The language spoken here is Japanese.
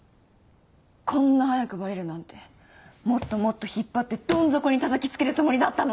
こんな早くバレるなんてもっともっと引っ張ってどん底にたたきつけるつもりだったのに！